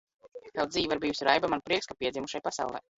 Kaut dzīve ir bijusi raiba, man prieks, ka piedzimu šai pasaulē!